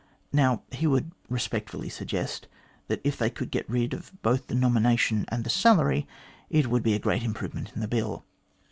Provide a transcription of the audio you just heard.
Now, he would respectfully suggest that if they could get rid both of the nomination and the salary, it would be a great improve ment in the Bill.